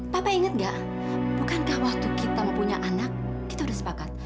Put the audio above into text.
papa inget gak bukankah waktu kita mempunyai anak kita sudah sepakat